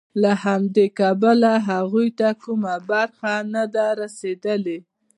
له همدې کبله هغوی ته کومه برخه نه ده رسېدلې